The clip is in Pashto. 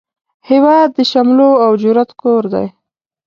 هیواد د شملو او جرئت کور دی